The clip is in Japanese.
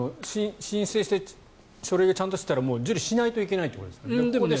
申請して書類がちゃんとしていたらもう受理しないといけないってことですよね。